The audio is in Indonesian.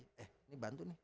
eh ini bantu nih